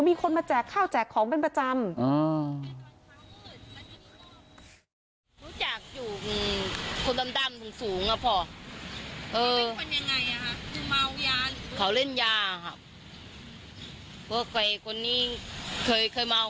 มีคนมาแจกข้าวแจกของเป็นประจำ